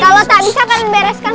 kalau tak bisa kami bereskan